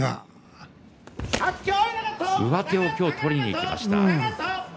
上手を今日取りにいきました。